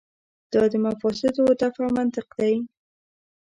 دا د مفاسدو دفع منطق دی.